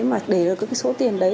mà để được cái số tiền đấy